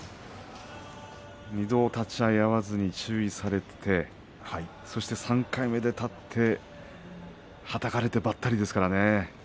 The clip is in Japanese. ２度立ち合いが合わずに注意をされてそして３回目で立ってはたかれてばったりですからね。